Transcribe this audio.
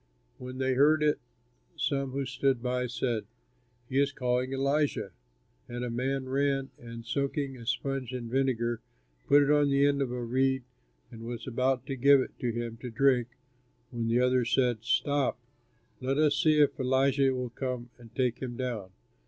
When they heard it, some who stood by, said, "He is calling Elijah." And a man ran and, soaking a sponge in vinegar, put it on the end of a reed and was about to give it to him to drink when the others said, "Stop, let us see if Elijah will come to take him down."